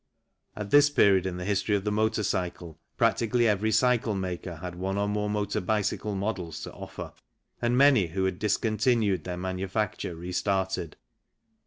At this period in the history of the motor cycle practically every cycle maker had one or more motor bicycle models to offer, and many who had discontinued their manufacture re started.